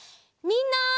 みんな！